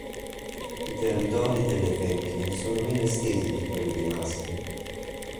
I territori delle femmine sono meno estesi di quelli dei maschi.